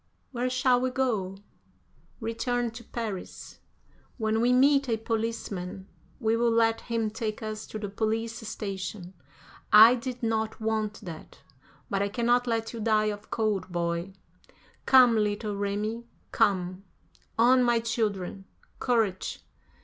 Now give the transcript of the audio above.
"Where shall we go?" "Return to Paris. When we meet a policeman we will let him take us to the police station. I did not want that, but I cannot let you die of cold, boy. Come, little Remi, come. On, my children. Courage!"